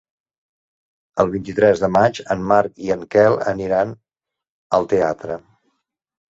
El vint-i-tres de maig en Marc i en Quel iran al teatre.